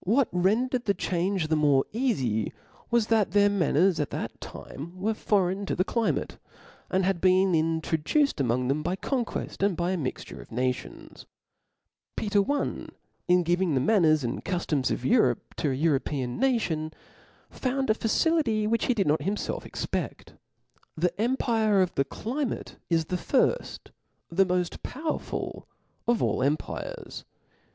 What rendered the change the more eafy was, that their manners at that time were foreign to the climate ; and had been introduced amongft them by conqucft, and by a mixture of pations. Peter I. HI giving the manners and cuiloms of Europe to an European nation, found a facility which he did not himfelf cxpedl. The empire of the climate' is the firft, the moft powerful of all empires.